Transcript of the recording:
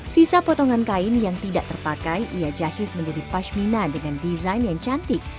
sisa potongan kain yang tidak terpakai ia jahit menjadi pashmina dengan desain yang cantik